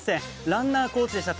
ランナーコーチでした。